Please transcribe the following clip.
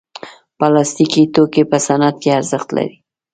پلاستيکي توکي په صنعت کې ارزښت لري.